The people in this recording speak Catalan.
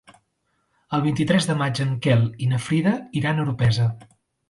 El vint-i-tres de maig en Quel i na Frida iran a Orpesa.